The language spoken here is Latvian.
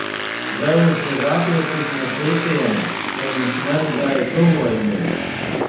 Zeus ir apjucis no sitiena, ko viņš neredzēja tuvojamies!